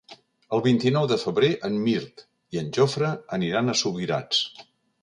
El vint-i-nou de febrer en Mirt i en Jofre aniran a Subirats.